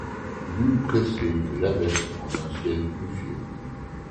Plus pressés que l'averse en un ciel pluvieux